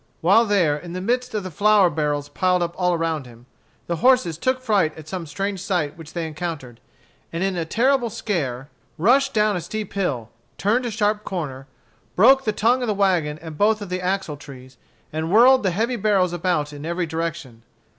While there in the midst of the flour barrels piled up all around him, the horses took fright at some strange sight which they encountered, and in a terrible scare rushed down a steep hill, turned a sharp corner, broke the tongue of the wagon and both of the axle trees, and whirled the heavy barrels about in every direction.